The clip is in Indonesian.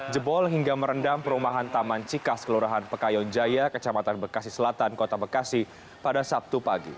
jebol hingga merendam perumahan taman cikas kelurahan pekayon jaya kecamatan bekasi selatan kota bekasi pada sabtu pagi